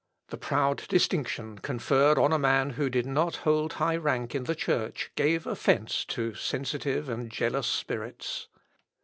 The proud distinction conferred on a man who did not hold high rank in the Church gave offence to sensitive and jealous spirits.